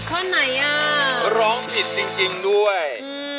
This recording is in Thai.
เขาร้องผิดจริงด้วย